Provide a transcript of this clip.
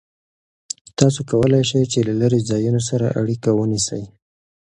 تاسو کولای شئ چې له لرې ځایونو سره اړیکه ونیسئ.